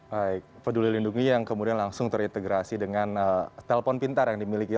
baik peduli lindungi yang kemudian langsung terintegrasi dengan telpon pintar yang dimiliki